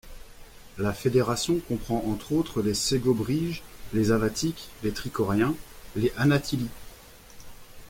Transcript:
La fédération comprend entre autres, les Ségobriges, les Avatiques, les Tricoriens, les Anatilii.